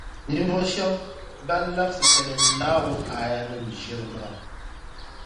Ninvuɣu shεba ban labsi Tinim’ Naawuni aayanim’ ʒiri maa .